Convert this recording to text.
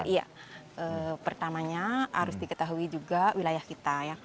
iya pertamanya harus diketahui juga wilayah kita